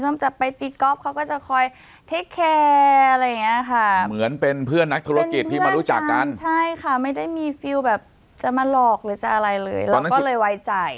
ไม่มาหลอกหรืออะไรเลยเราก็เลยไวใจ